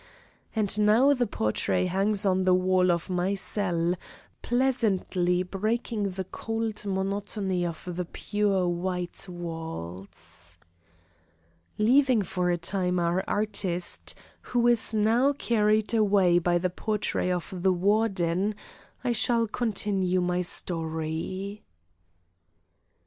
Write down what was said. And now the portrait hangs on the wall of my cell, pleasantly breaking the cold monotony of the pure white walls. Leaving for a time our artist, who is now carried away by the portrait of the Warden, I shall continue my story.